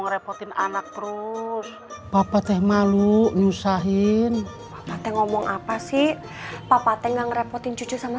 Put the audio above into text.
ngerepotin anak terus papa teh malu nyusahin ngomong apa sih papa tengah ngerepotin cucu sama